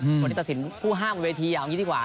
วันนี้ตัดสินผู้ห้ามบนเวทีอย่างนี้ดีกว่า